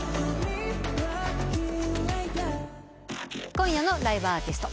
今夜のライブアーティスト。